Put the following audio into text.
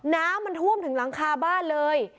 น้ำมันท่วมถึงหลังคาบ้านเลย